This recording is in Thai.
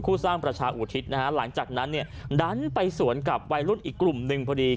สร้างประชาอุทิศนะฮะหลังจากนั้นเนี่ยดันไปสวนกับวัยรุ่นอีกกลุ่มหนึ่งพอดี